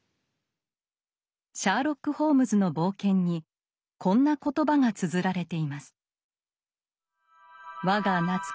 「シャーロック・ホームズの冒険」にこんな言葉がつづられています。